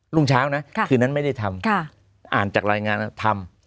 รุ่งเช้านะคืนนั้นไม่ได้ทำอ่านจากรายงานทำ